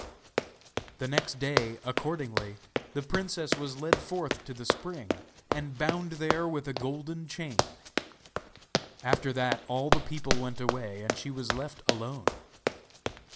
The next day accordingly the princess was led forth to the spring, and bound there with a golden chain. After that all the people went away and she was left alone.